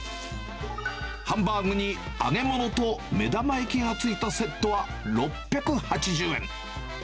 ハンバーグに揚げ物と目玉焼きがついたセットは６８０円。